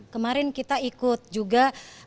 kemarin kita ikut juga